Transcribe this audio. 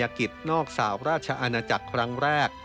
เป็นพักรณียกิจนอกสหราชอาณาจักรครั้งแรก